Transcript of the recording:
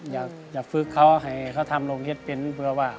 อยากฝึกเขาให้เขาทำโรงเฮ็ดเป็นเพื่อว่า